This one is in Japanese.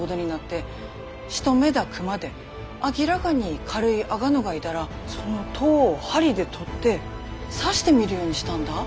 しとめた熊で明らがに軽いあがのがいだらそん痘を針でとって刺してみるようにしだんだ。